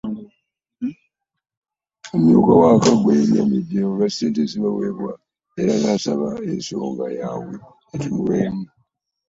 Omumyuka wa Kaggo yennyamidde olwa ssente ezibaweebwa era n’asaba ensonga yaabwe etunulwemu.